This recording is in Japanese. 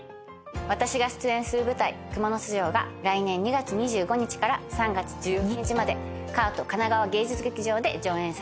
私が出演する舞台『蜘蛛巣城』が来年２月２５日から３月１２日までＫＡＡＴ神奈川芸術劇場で上演されます。